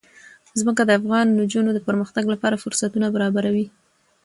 ځمکه د افغان نجونو د پرمختګ لپاره فرصتونه برابروي.